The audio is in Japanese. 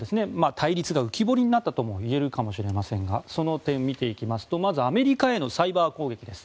対立が浮き彫りになったともいえるかもしれませんがその点を見ていきますとまずアメリカへのサイバー攻撃です。